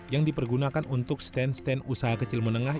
yang dipergunakan untuk stand stand usaha kecil menengah